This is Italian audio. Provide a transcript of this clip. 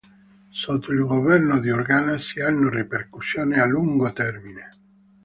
Sotto il governo di Organa si hanno ripercussioni a lungo termine.